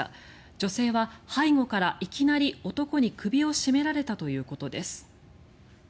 女性は背後からいきなり男に首を絞められたということです。